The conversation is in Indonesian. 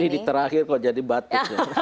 ini terakhir kok jadi batuk